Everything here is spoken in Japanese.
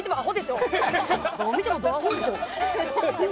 どう見てもドアホでしょう。